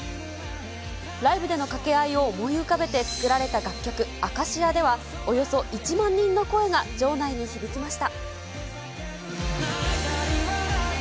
ライブでの掛け合いを思い浮かべて作られた楽曲、アカシアでは、およそ１万人の声が場内に響きました。